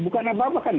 bukan apa apa kan